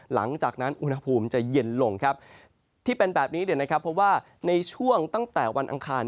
หลังจากนั้นอุณหภูมิจะเย็นลงที่เป็นแบบนี้เพราะว่าในช่วงตั้งแต่วันอังคาร